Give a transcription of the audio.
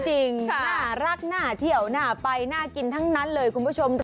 น่ารักน่าเที่ยวน่าไปน่ากินทั้งนั้นเลยคุณผู้ชม